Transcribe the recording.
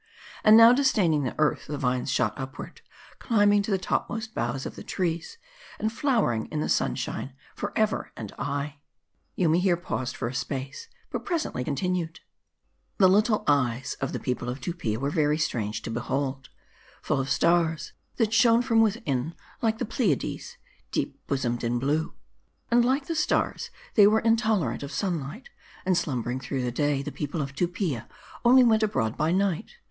And now disdaining the earth, the vines shot up ward : climbing to the topmost boughs of the trees ; and flowering in the sunshine forever and aye." Yoomy here paused for a space ; but presently continued :" The litt le eyes of the people of Tupia were very strange to behold : full of stars, that shone from within, like the Pleiades, deep bosomed in blue. And like the stars, they were intolerant of sunlight ; and slumbering through the day, the people of Tupia only went abroad by night.